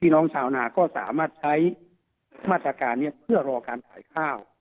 น้องชาวนาก็สามารถใช้มาตรการนี้เพื่อรอการขายข้าว